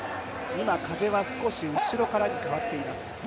今、風は少し後ろからに変わっています。